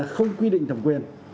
không quy định thẩm quyền